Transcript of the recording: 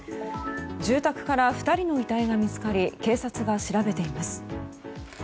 住宅から２人の遺体が見つかり警察が調べています。